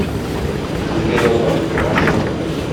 Сезгә ялган, миңа чын.